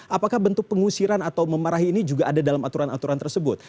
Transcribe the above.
apakah bentuk pengusiran atau memarahi ini juga ada dalam aturan aturan tersebut